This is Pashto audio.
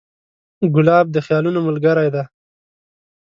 ګلاب د خیالونو ملګری دی.